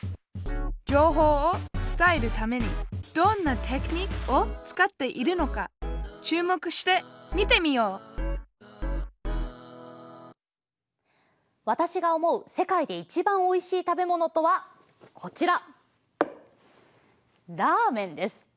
情報を伝えるためにどんなテクニックを使っているのか注目して見てみよう私が思う世界で一番おいしい食べ物とはこちらラーメンです。